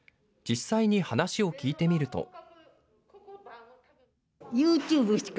実際に話を聞いてみると。